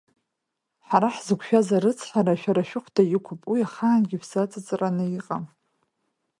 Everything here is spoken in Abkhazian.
Ҳара ҳзықушәаз арыцҳара, шәара шәыхуда иқууп, уи ахаангьы шәзаҵыҵраны иҟам!